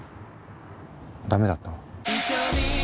ダメだった？